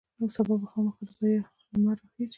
سبا به خامخا د بریا لمر راخیژي.